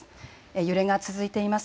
揺れが続いています。